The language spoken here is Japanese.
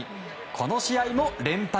この試合も連敗